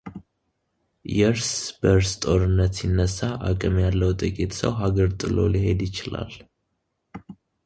የርስበርስ ጦርነት ሲነሣ ዐቅም ያለው ጥቂት ሰው ሀገር ጥሎ ሊሄድ ይችላል።